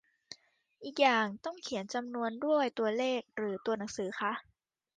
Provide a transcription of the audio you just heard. อีกอย่าง ต้องเขียนจำนวนด้วยตัวเลขหรือตัวหนังสือคะ ?